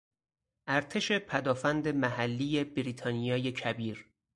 ارتش پدافند محلی بریتانیای کبیر